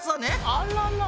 あららら。